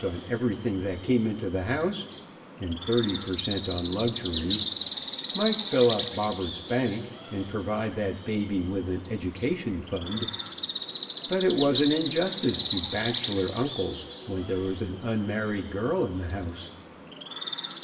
on everything that came into the house (and thirty per cent. on luxuries) might fill up Bobberts' bank, and provide that baby with an education fund, but it was an injustice to bachelor uncles when there was an unmarried girl in the house.